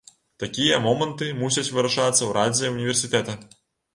Такія моманты мусяць вырашацца ў радзе ўніверсітэта.